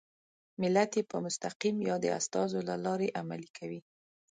ملت یې په مستقیم یا د استازو له لارې عملي کوي.